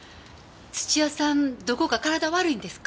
土屋さんどこか体悪いんですか？